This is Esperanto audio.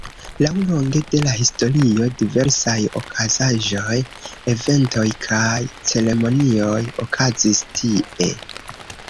Laŭlonge de la historio diversaj okazaĵoj, eventoj kaj ceremonioj okazis tie.